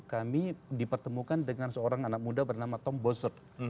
kami dipertemukan dengan seorang anak muda bernama tom bozet